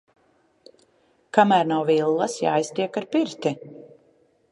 Kamēr nav villas, jāiztiek ar pirti.